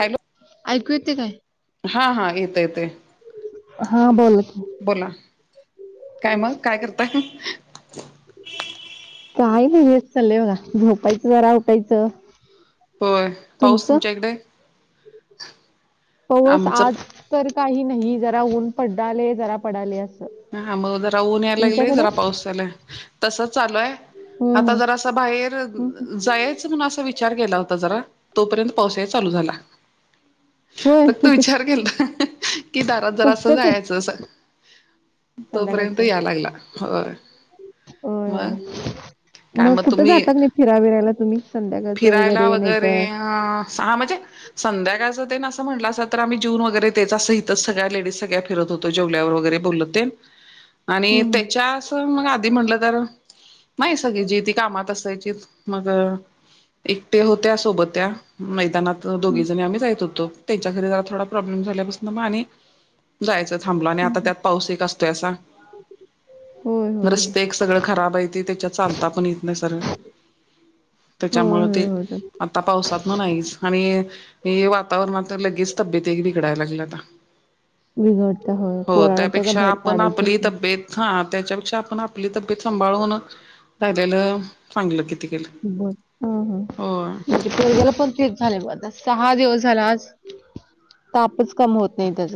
Hello! ऐकू येते काय? हा हा येत येतय हा बोल की बोला काय मंग काय करता ह ह काय नाही हेच चाललंय बघा झोपायचं जरा उठायचं होय पाऊस तुमचं तुमच्या इकडे पाऊस आमचं आज तर काही नाही जरा ऊन पडडाले जरा पडाले अस हा मग जरा ऊन याय लागले जरा पाऊस यालाय तस चालूय आता हम्म, जरासा बाहेर हम्म. जाय अस कुणास विचार केला होता जरा तोपर्यंत पाऊस याय चालू झाला होय फक्त विचार केलता ह ह की दारात जरा असं तसंच होत जायचं असा तोपर्यंत संध्याकाळचं या लागला होय होय मग काय मग कुठं तुम्ही जातात नाही फिरावीरायला तुम्ही संध्याकाळचं वगैरे नाही तरर हा म्हणजे संध्याकाळचं तेन असं म्हटलं अस तर आम्ही जेऊन वगैरे तेच असं इथच सगळ्या लेडीज सगळ्या फिरत होतो जेवल्यावर वगैरे बोलत ते आणि हम्म, त्याच्या अस मग आधी म्हटलं तर नाही सगळी जी ती कामात असायची मग एकटे होत्या सोबत्या मैदानात अ हम्म, दोघी जणी आम्ही जाईत होतो त्यांच्या घरी जरा थोडा प्रॉब्लेम झाल्यापासन म आणि जायचं थांबलं आणि आता हम्म. त्यात पाऊस एक असतोय असा होय होय होय रस्ते एक सगळं खराब आहे ते तेच्यात चालता पण येत नाही सरळ होय त्याच्यामुळे ते होय होय तसं. मला आता पावसातन नाहीच आणि हे वातावरणात तर लग्गेच तब्येत एक बिघडाय लागली आता बिघडता होय पण तेच्यात भर पण आपली तब तबेत हा त्याच्यापेक्षा आपण आपली तब्येत सांभाळून राहिलेलं चांगलं किती केलं बर हा हा हो तेवढ्याला पण तेच झाले मग आता सहा दिवस झाल आज तापच कम होत नाही त्याच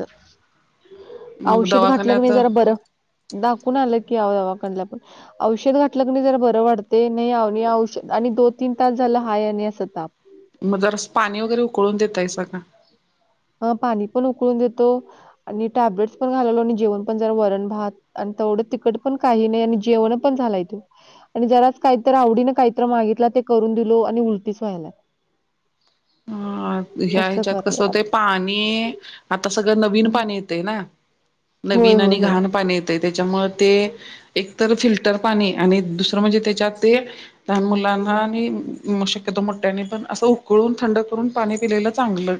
मग औषध घातलं की दवाखान्यात नाही जरा बरं दाखवून आलं की आव अवा कन ला पण औषध घातलं क नाही जरा बरं वाढते नाही औ नाही औष आणि दो तीन तास झालं हाय आणि असं ताप म जरास पाणी वगैरे उकळून देताइसा का अ पाणी पण उकळून देतो आणि टॅब्लेट्स पण घालवलो आणि जेवण पण जरा वरण भात आणि तेवढं तिकट पण काही नाही आणि जेवण पण झालाय तो आणि जराच काहीत आवडीनें काहीतरी मागितला ते करून दिलो आणि उलटीस व्हायला ह ह्या तसं ह्याच्यात कसं करलं होत पाणी आता सगळं नवीन हं, पाणी येते ना होय नवीन होय आणि होय घाण पाणी येतय त्याच्यामु ते एक तर फिल्टर पाणी आणि दुसरं म्हणजे त्याच्यात ते लहान मुलांना आणि शक्यतो मोठ्यांनी पण असं उकळून थंड करून पाणी पिलेलं चांगलं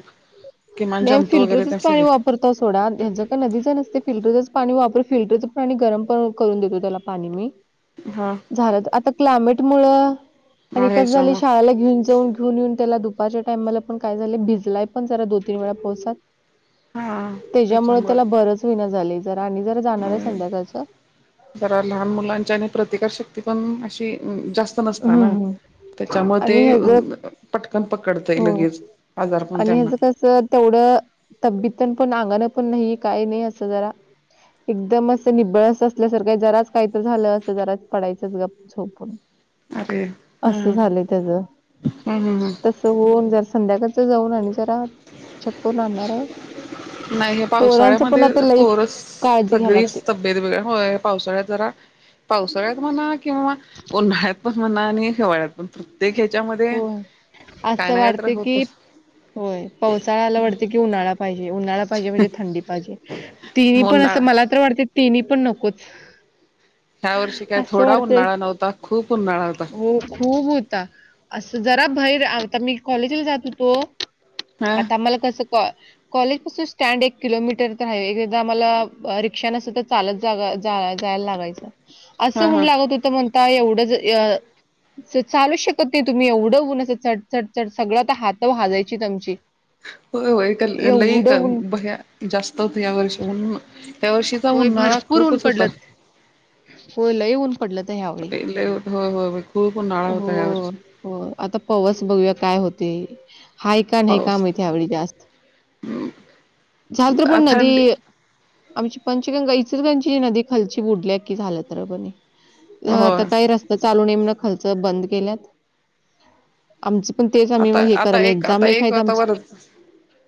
किमान जंतू वगैरे त्या सगळ्या करता सोडा हच का नदीच नसते फिल्टरचच पाणी वापर फिल्टरचं पाणी गरम पण करून देतो त्याला पाणी म हा झालं तर आता क्लायमेट मुळ आणिच झाली ह्याच्यामुळ शाळेला घेऊन जाऊन ेऊन येऊन त्याला दुपारच्या टाइम मला पण काय झाले भिजलाय पण जरा दो तीन वेळा पोहोतात हा त्याच्यामुळे त्याच्यामुळ त्याला बरंच विना झाले जर आणि जर जाणार आहे संध्याकाळचं. जरा लहान मुलांच्या आणि प्रतिकारशक्ती पण अशी जास्त ती हम्म मस्ताना हम्म. त्याच्या मुळ ते आणि ह्याच पटकन पकडतंय लगेच आजार पण त्यांना. च तेवढं तब्येतन पण अंगाणं पण नाही काय नाही असं जरा एकदम असं निब्बळ असं असल्यासारखं, जराच काहीत झालं असं जराच पडायचंच गप झोपून असं झालंय त्याच हम्म हम्म हम्म. तस होऊन जरा संध्याकाळच जाऊन आणि जरा चेक करून आणणार आहे. नाही हे पोरांचं पण पावसाळ्यामध्ये आता लई पोरस काळजी घ्याय सगळी लागते स त. वेगवेगळ्या हो पावसाळ्यात जरा पावसाळ्यात म्हणा किंवा उन्हाळ्यात पण म्हणणा आणि हीवाळ्यात पण प्रत्येक ह्याच्यामध्ये हो काय असं ना काय तर वाटते की होतच. होय पावसाळा् आला ताडत की उन्हाळा पाहिजे उन्हाळा त जे म्हणजे थंडी पाहिजे ति पण अस उन्हाळा मला तर वाटते तिनी पण नकोच. ह्या वर्षी काय असं थोडा वाटते उन्हाळा नव्हता खूप उन्हाळा होता हो खूप होता. असं जरा भैर आता मी कॉलेजला जात होतो हा आता मला कसं कॉ कॉलेज पासून स्टँड एक किलोमीटर तर आहे एक [unintelligible] आला रिक्षान सुद्धा चालत जग जा जायला लागायचं. असं हा हा होऊन लागत होत म्हणता एवढंच य चालूच शकत. ते तुम्ही एवढं होऊनं चढ चढ चढ सगळं तर हात भाजायची तुम ची. होय होय कन लई कन भया जास्त होत या व र्षा ऊन त्या वर्षीचा होय उन्हाळा भरपूर ऊन खूपच होता. पडलं. होय लई ऊन पडलं तर ह्यावेळी. लय होय हो खूप ऊन्हाळा होता ह्या हो. वर्षी हो आता पवस बघूया काय होते हाय का नाही का पाऊस माहितीे आवडी जास्त छात्र पण नदी थंडी आमची पंचगंगा इचलगांची नदी खल बुडल्या की झालं तर बणी अ आता होय काही रस्ता चालू नेम ना खर्च बंद केल्यात, आमच पण तेच आम्ही आता मग हे आता करायला एक एक्झाम आता एक आहेत आता आमची वर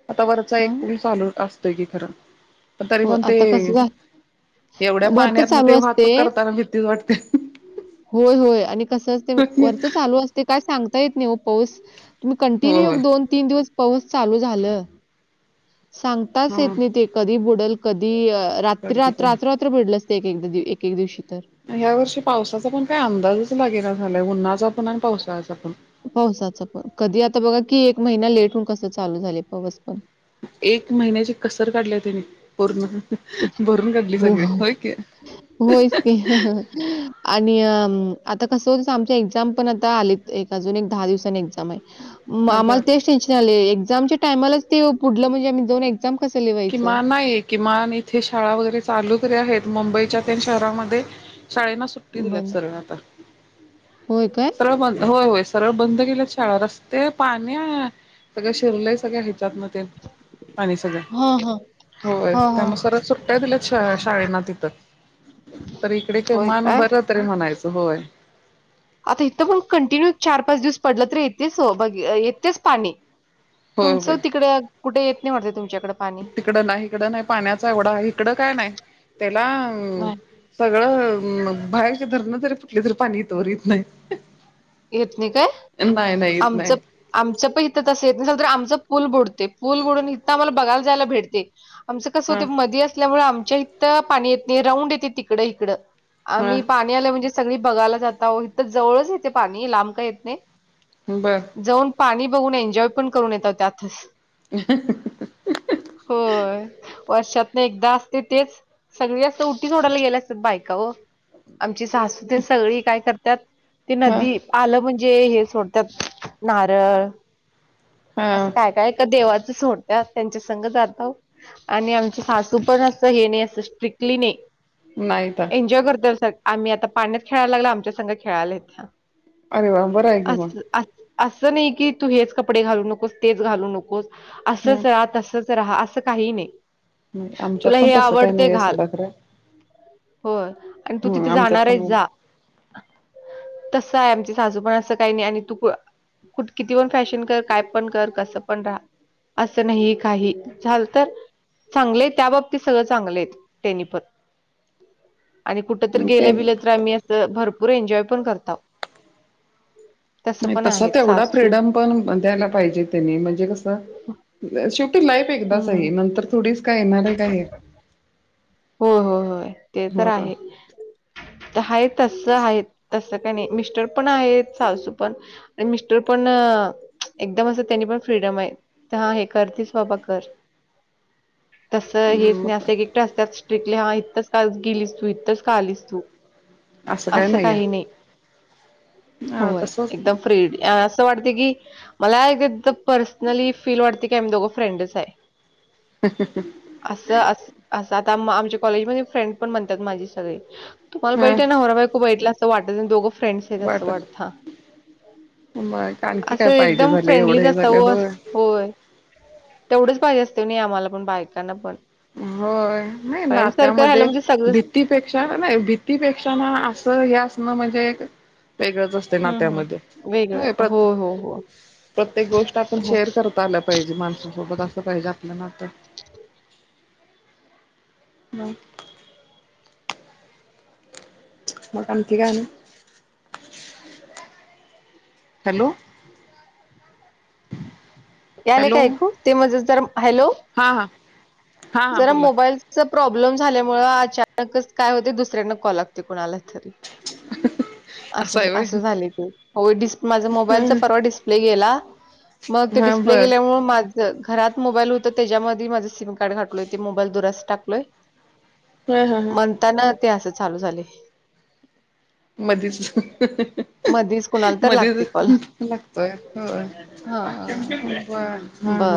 आता वरचा एक हं, पण चालू असतोय की खरं पण तरी हो पण ते आता कसं झालं तेवढ्या वरतं पाण्यात न चालू ते असते वाहतूक करताना भीतीच वाटते. होय होय आणि कसंच ते वरच चालू अस ते काय सांगता येत नाही पाऊस तुम्ही हो कंटिन्यू होय दोन ते तीन दिवस पाऊस चालू झालं सांगताच हा येत नाही ते कधी बूड डल कधी अ रात्री अगदी रात काय रात्र रात्र भडलं असते एकदा एक एक दिवशी तर या्या वर्षी पावसाचा पण काही अंदाजच लागेला न झालाय उन्हाचा पण आणि पावसाळ्याचा पण पावसाच पण कधी आता बघा की एक महिना लेट होन कसं चालू झाले पाऊस पण. एक महिन्याची कसर काढली त्याने. पूर्ण भरून काढली हो, सगळी हो. होय की. होयच आणि म आता कस होत आमच्या एक्झाम पण आता आले. एक अजून एक दहा दिवसनी एक्झाम आहे. म आभाळ आम्हाला तेच टेन्शन आले आहे एक्झामच्या टामलाच ते पुढलं म म्हणे जाऊन एक्झाम कसले लीव किमा ना, एक किमान इथे शाळा वगैरे चालू करे आहेत मुंबईच्या त्या शहरमध्ये शाळेनां सुट तीत त्यात बंद. सरळ आता होय काय? सरळ बंद होय होय सरळ बंद. गेले शाळा रस्ते पाणी सगळ शिरले सगळ ह्याच्यात ना ते आणि सगळं हां, हां. होय हां, हां. त्यामुळे सर सुट्ट्या दिल्यात शाळे शाळेना तिथं. तर इकडे का होय मान काय? बर्या तरी म्हणायचं होय. आता इथं पण कंटिन्यू चार पाच दिवस पडलं तर येतेच हो बघ येतेच पाणी. होय होय तुमचं तिकडे कुठे येत नाही म्हटत तुमच्याकडे पाणी? तिकडं नाही हिकडं नाही पाण्याचा एवढा इिकडं काय नाही त्याला. नाही, सगळं बाहेरची धरणं जरी फुटली तरी पाणी इथवर इत नाही. येत नाही काय? नाही नाही येत आमचं नाही आमचं पण इथं तसं येत नसल तर आमचं पूल बुडते. पुल बुडून इथं आम्हाला बघायला जायला भेटते. आमचं कसं हा होतय मदी असल्यामुळे आमच्या इथं पाणी येत नाही. राऊंड येते तिकडं-हिकडं. हा आम्ही पाणी आलं म्हणजे सगळी बघायला जाताव इथं जवळच येते पाणी लांब काय येत नाही. बरं जाऊन पाणी बघून एन्जॉय पण करून ये ताव त्यात. [inaudible] होय, वर्षातन एकदा असते तेच सगळी असं उटी सोडायला गेल्या असात बायका ओ आमची सासूतेन सगळी काय करतात ते हा नदी आलं म्हणजे हे सोडत्यात नारळ असं हा काय काय तर देवाच सोडत्यात त्यांच्या संग जाताव. आणि आमचे सासू पण असं हे नाही असं स्ट्रिक्टली नाही. नाहीता. एन्जॉय करतीया आम्ही आता पाण्यात खेळायला लागला आमच्या संग खेळायला येतीया. अरे वा बरं आहे [inaudible] की अस असं अस नाही की तू हेच कपडे घालू नकोस, तेच घालू नकोस. मग असंच राहा, तसच राहा असं काही नाही. नाही आमच्यात तुला पण हे तसं काही आवडते नाही आहे घाल सोडा खर. होय, आणि तू तिथे आमच्यात जाणार आहेस पण जा. तसं आहे आमचे सासू पण असं काही नाही आणि तू [unintelligible] कुठ किती पण फॅशन कर, काय पण कर, कसं पण राहा. असं नाही ही काही झाल तर चांगले आहेत त्या बाबतीत सगळं चांगले आहेत तेनीपन. आणि कुठ तर ते गेलं गेलं बिल [inaudible] तर आम्ही असं भरपूर एन्जॉय पण करताव. तसं नाही पण तसा आहेत तेवढा सासू फ्रीडम पण द्यायला पाहिजे त्यांनी म्हणजे कस शेवटी लाईफ एकदाच हम्म. आहे ही. नंतर थोडी काय मला काय येत होय, होय, होय ते तर आहे. आहे तसं आहेत. तस काय नाही मिस्टर पण आहेत सासू पण आणि मिस्टर पण एकदम असं त्यांनी पण फ्रीडम आहे. त्या हे करतीस बाबा कर. तसं हेच नाही मग असं एकेकटं अस्त्यात स्ट्रिक्टली हा इतंच का आज गेलीस तू? इ थंच का आलीस तू? असं काय नाही हाय. होय, तसच एकदम फ्री डी असं वाटते की मला एक एकदा पर्सनली फील वाटते की आम्ही दोघं फ्रेंडच हाय. [inaudible] असं अस असं आता आमच्या कॉलेजमध्ये फ्रेंड पण म्हणतात माझी सगळे तुम्हाला हा बघितल्यावर नवरा-बायको बघितले असं वाटत नाही. दोघं फ्रेंड्स आहेत असं वाट वाटता. मग [inaudible] आणखी असं काय पाहिजे एकदम झाले एवढं फ्रेंडलीच हे असता झालं ओ होय होय तेवढेच पाहिजे असते नी आम्हाला पण बायकांना पण. होय, नाही फ्रेंड सर्कल राहिलं नात्यामध्ये म्हणजे सगळंच भी तीपेक्षा नाही भीतीपेक्षा ना असं हे असणं म्हणजे एक वेगळंच अस हं, हं. नात्यामध्ये वेगळं होय हो, प्रत हो, हो, [inaudible] प्रत्येक गोष्ट आपण हो. शेअर करतोय. ता आला पाहिजे माणसा सोबत असं पाहिजे आपल नात. [unintelligible] मग आणखी काय मग? [inaudible] हॅलो [inaudible] याले काय ऐकू? ते मधेच जरा हॅलो हा हा हा हा जरा बोला मोबाईलच प्रॉब्लेम झाल्यामु अचानकच काय होते दुसऱ्यांना कॉल लागते कोुणाला तरी अस झालं आहे व्हय असं झाले ते अहो डिस्प् माझ मोबाईलचा हं परवा डिस्प्ले गेला मग ते हा डिस्प्ले ग बर केल्यामुळेळ माझ घरात मोबाईल होत त्याच्यामध्ये माझं सिम कार्ड घातलोय ते मोबाईल दुरूस्त टाकलोय हा हा हा आता ना ते असं चालू झालय मधीच मधीच कुणाला तर लागते कॉल मधीच लागतोय होय हा हा ह हा ह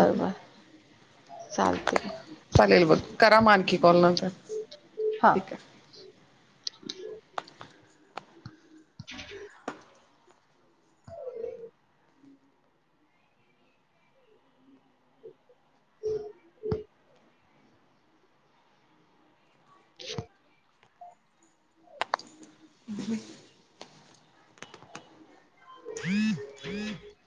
चालतय चालेल मग करा मानखी कॉल नंतर हा ठीक आहे [unintelligible] ह [unintelligible] ब [unintelligible] [unintelligible]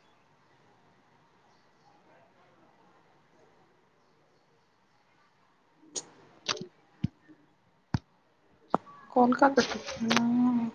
ह [unintelligible] कॉल का कट आ